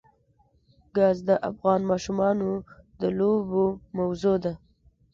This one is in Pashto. ګاز د افغان ماشومانو د لوبو موضوع ده.